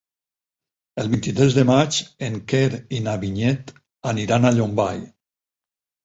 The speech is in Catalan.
El vint-i-tres de maig en Quer i na Vinyet aniran a Llombai.